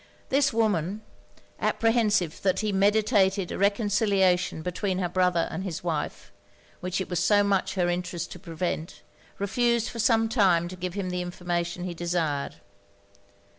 This woman, apprehensive that he meditated a reconciliation between her brother and his wife, which it was so much her interest to prevent, refused for some time to give him the information he desired.